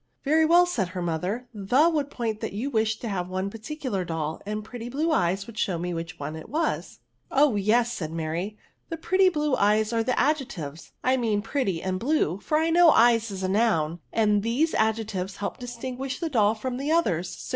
" Very well," said her mother, " the would point that you wished to have one particular doU, and pretty blue eyes would show me which it was." " Oh, yes," said Mary, " the pretty blue eyes are the adjectives —« I jneKa pretty and blue, fori Vnoy^eyes isanoim; and these adjectives help to distinguish the doll from the others : so.